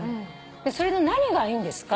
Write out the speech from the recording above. それの何がいいんですか？